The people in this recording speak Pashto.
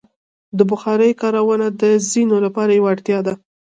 د بخارۍ کارونه د ځینو لپاره یوه اړتیا ده.